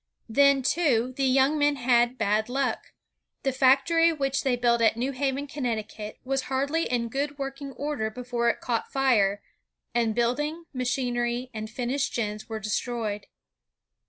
Then, too, the young men had bad luck. The factory which they built at New Haven, Connecticut, was hardly in good working order before it caught fire, and building, machinery, and finished gins were destroyed.